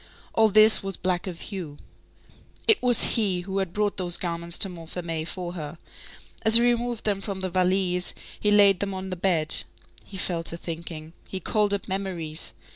All this was black of hue. It was he who had brought those garments to Montfermeil for her. As he removed them from the valise, he laid them on the bed. He fell to thinking. He called up memories.